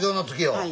はい。